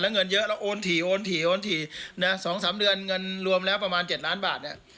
แล้วเงินเยอะแล้วโอนถี่โอนถี่โอนถี่น่ะสองสามเดือนเงินรวมแล้วประมาณเจ็ดล้านบาทเนี่ย